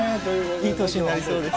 いい年になりそうです。